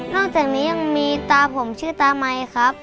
อกจากนี้ยังมีตาผมชื่อตามัยครับ